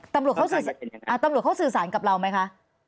ตำรวจเขาสื่อสารกับเราไหมคะ